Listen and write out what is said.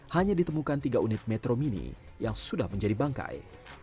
hanya ditemukan tiga unit metro mini yang sudah menjadi bangkai